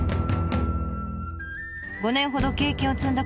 ５年ほど経験を積んだころ